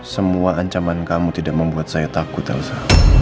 semua ancaman kamu tidak membuat saya takut elsa